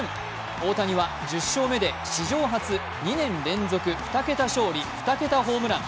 大谷は１０勝目で史上初２年連続、２桁勝利、２桁ホームラン。